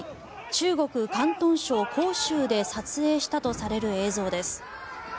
中国・広東省広州で撮影したとされる映像です。